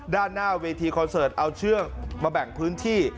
ด้านหน้าเวทีคอนเสิร์ตเอาเชือกมาแบ่งพื้นที่